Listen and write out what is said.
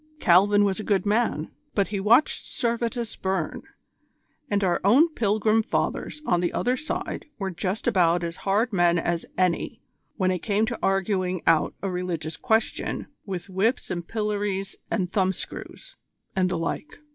Calvin was a good man, but he watched Servetus burn, and our own Pilgrim Fathers on the other side were just about as hard men as any when it came to arguing out a religious question with whips and pillories and thumbscrews, and the like.